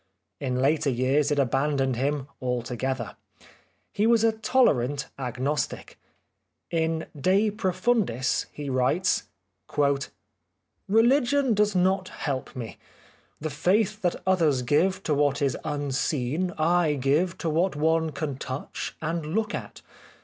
In later years it abandoned him altogether. He was a tolerant Agnostic. In '^ De Profundis" he writes :—" Religion does not help me. The faith that others give to what is unseen I give to what one can touch and look at.